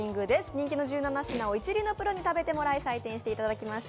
人気の１７品を一流のプロに食べてもらい採点してもらいました。